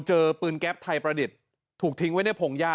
เจอปืนแก๊ปไทยประดิษฐ์ถูกทิ้งไว้ในพงหญ้า